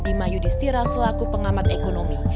bima yudhistira selaku pengamat ekonomi